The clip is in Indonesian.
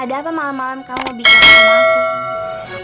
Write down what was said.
ada apa malem malem kamu mau bikin sama aku